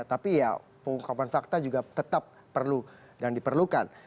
tapi ya pengungkapan fakta juga tetap perlu dan diperlukan